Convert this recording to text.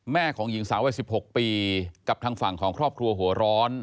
ของหญิงสาววัย๑๖ปีกับทางฝั่งของครอบครัวหัวร้อน